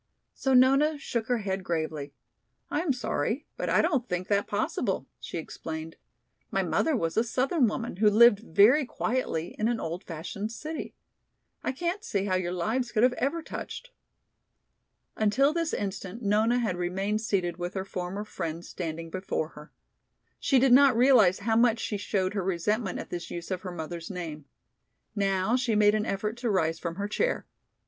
So Nona shook her head gravely. "I am sorry, but I don't think that possible," she explained. "My mother was a southern woman, who lived very quietly in an old fashioned city. I can't see how your lives could ever have touched." Until this instant Nona had remained seated with her former friend standing before her. She did not realize how much she showed her resentment at this use of her mother's name. Now she made an effort to rise from her chair.